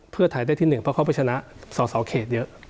เพื่อถ่ายได้ที่หนึ่งเพราะเขาไปชนะสอสอเขตเยอะ